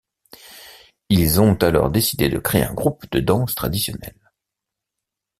Ils ont alors décidé de créer un groupe de danse traditionnelle.